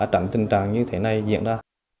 trảm tình trạng như thế này diễn ra